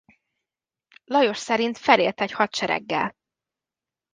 Lajos szerint felért egy hadsereggel.